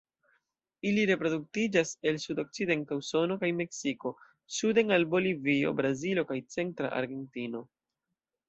Ili reproduktiĝas el sudokcidenta Usono kaj Meksiko suden al Bolivio, Brazilo kaj centra Argentino.